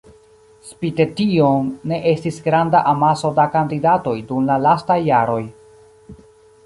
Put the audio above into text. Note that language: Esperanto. Spite tion ne estis granda amaso da kandidatoj dum la lastaj jaroj.